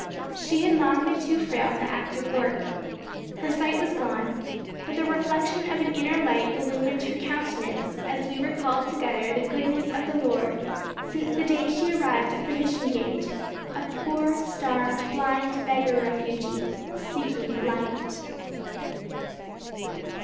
She had long been too frail for active work. Her sight was gone, but the reflection of an inner light illumined her countenance as we recalled together the goodness of the Lord since the day she arrived at the Mission gate a poor starved Blind Beggar Refugee seeking Light.